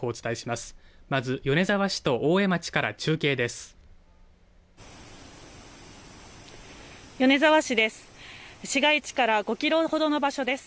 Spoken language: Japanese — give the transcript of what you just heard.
まず米沢市と大江町から中継です。